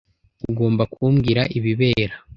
Ugomba kumbwira ibibera.